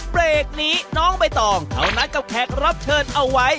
เบรกนี้น้องใบตองเขานัดกับแขกรับเชิญเอาไว้